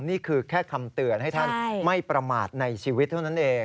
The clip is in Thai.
นี่คือแค่คำเตือนให้ท่านไม่ประมาทในชีวิตเท่านั้นเอง